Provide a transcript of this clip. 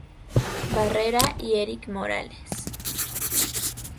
Barrera y Erik Morales.